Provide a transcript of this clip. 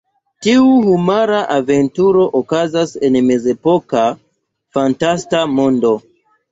Tiu humura aventuro okazas en mezepoka fantasta mondo.